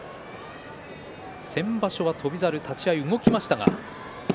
先場所は翔猿立ち合い動きました。